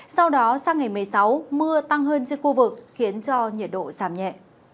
sau đó sang ngày một mươi sáu mưa tăng hơn trên khu vực khiến cho nhiệt độ giảm nhẹ